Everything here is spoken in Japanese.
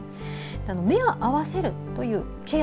目を合わせるというケア。